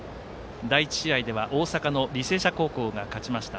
第１試合では大阪の履正社高校が勝ちました。